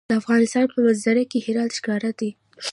د افغانستان په منظره کې هرات ښکاره دی.